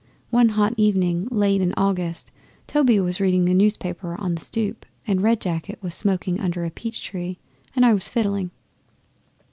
One hot evening late in August, Toby was reading the newspaper on the stoop and Red Jacket was smoking under a peach tree and I was fiddling.